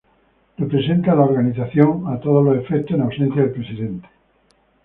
Representa a la Organización a todos los efectos en ausencia del Presidente.